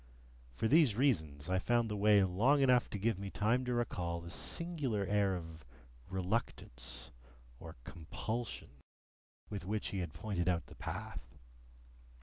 For these reasons, I found the way long enough to give me time to recall a singular air of reluctance or compulsion with which he had pointed out the path.